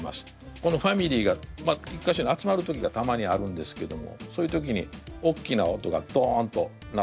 このファミリーが１か所に集まる時がたまにあるんですけどもそういう時におっきな音がドンと鳴ったりとかするとですね